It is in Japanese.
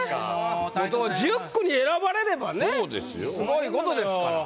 １０句に選ばれればねすごいことですから。